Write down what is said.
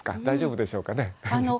大丈夫でしょうかね。